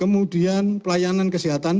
kemudian pelayanan kesehatan